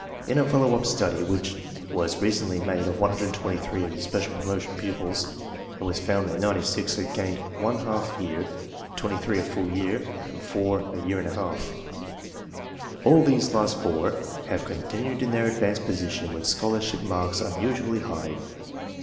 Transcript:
In a follow up study which was recently made of 123 of these special promotion pupils, it was found that 96 had gained one half year, 23 a full year, and 4 a year and a half. All these last four have con tinued in their advanced position with scholarship marks unusually high.